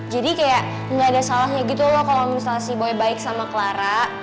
jadi kayak nggak ada salahnya gitu loh kalau misalnya si boy baik sama clara